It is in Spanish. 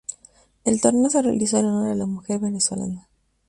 El torneo se realizó en honor a la mujer venezolana.